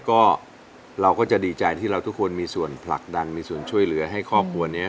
ก็เราก็จะดีใจที่เราทุกคนมีส่วนผลักดันมีส่วนช่วยเหลือให้ครอบครัวนี้